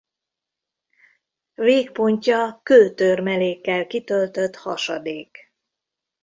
Végpontja kőtörmelékkel kitöltött hasadék.